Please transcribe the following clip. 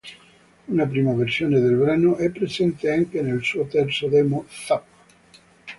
Una prima versione del brano è presente anche nel suo terzo demo "Zappa".